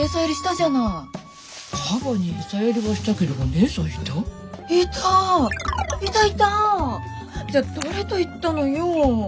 じゃあ誰と行ったのよ。